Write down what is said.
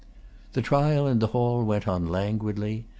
The trial in the hall went on languidly.